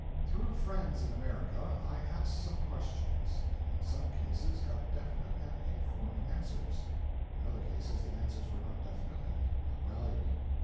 Through friends in America I asked some questions, and in some cases got definite and informing answers; in other cases the answers were not definite and not valuable.